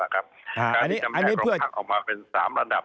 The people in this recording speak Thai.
การทำแนกโรงพักษณ์ออกมาเป็น๓ระดับ